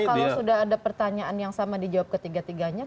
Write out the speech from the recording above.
kalau sudah ada pertanyaan yang sama dijawab ketiga tiganya